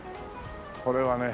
これはね